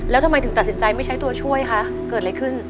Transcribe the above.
แล้วทำไมถึงตัดสินใจไม่ใช้ตัวช่วยคะเกิดอะไรขึ้น